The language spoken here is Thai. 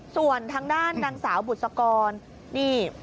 ส่วนทางด้านนางสาวบุษกรนี่